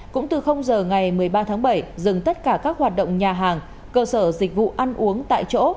cũng từ giờ ngày một mươi ba tháng bảy dừng tất cả các hoạt động nhà hàng cơ sở dịch vụ ăn uống tại chỗ